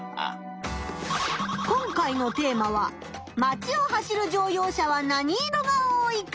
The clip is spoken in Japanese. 今回のテーマは「まちを走る乗用車は何色が多いか」。